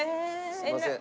すみません。